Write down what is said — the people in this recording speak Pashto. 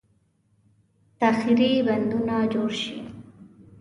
تاخیري بندونه جوړ شي.